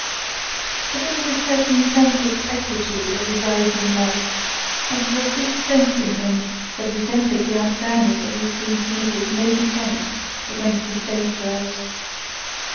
But there is a certain sense of equity that resides in life, and it was this sense in him that resented the unfairness of his being permitted no defence against the stone throwers.